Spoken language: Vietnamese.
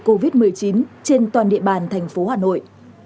chúng tay vượt qua đại dịch covid một mươi chín trên toàn địa bàn thành phố hà nội